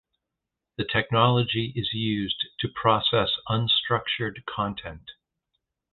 The technology is used to process unstructured content.